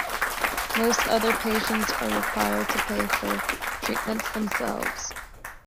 Most other patients are required to pay for treatments themselves.